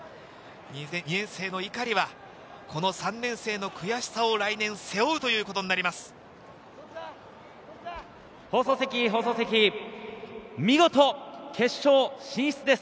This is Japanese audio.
２年生の碇はこの３年生の悔しさを来年、背負うということになります。